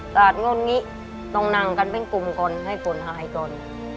สาดง่นงี้ต้องนั่งกันเป็นกลุ่มก่อนให้ฝนหายก่อน